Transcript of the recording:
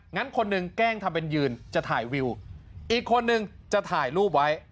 งั้นคนหนึ่งแกล้งทำเป็นยืนจะถ่ายวิวอีกคนนึงจะถ่ายรูปไว้